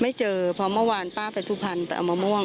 ไม่เจอเพราะเมื่อวานป้าไปสุพรรณไปเอามะม่วง